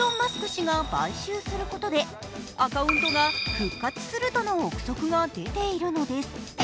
氏が買収することでアカウントが復活するとの臆測が出ているのです。